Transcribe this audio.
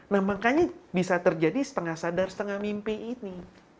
nah makanya bisa terjadi setengah sadar setengah mimpi ini